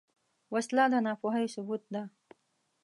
وسله د ناپوهۍ ثبوت ده